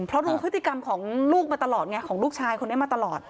เพราะรู้พฤติกรรมของลูกมาตลอดไงของลูกชายคนนี้มาตลอด